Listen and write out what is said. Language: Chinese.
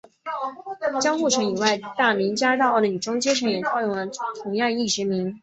江户城以外大名家大奥的女中阶层也套用了同样的役职名。